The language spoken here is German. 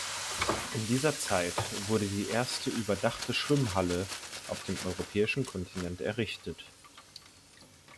In dieser Zeit wurde die erste überdachte Schwimmhalle auf dem europäischen Kontinent errichtet.